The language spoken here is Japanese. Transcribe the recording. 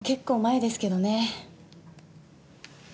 もう結構、前ですけどね。